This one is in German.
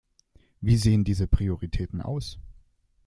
Wie sehen diese Prioritäten aus?